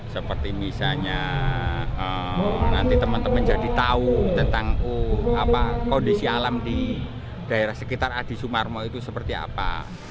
seperti misalnya nanti teman teman jadi tahu tentang kondisi alam di daerah sekitar adi sumarmo itu seperti apa